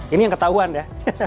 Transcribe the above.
ini yang ketahuan ya